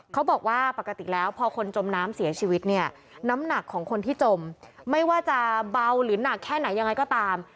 เขาบอกว่าปกติแล้วพอคนจมน้ำเสียชีวิตเนี่ยน้ำหนักของคนที่จมไม่ว่าจะเบาหรือหนักแค่ไหนยังไงก็ตาม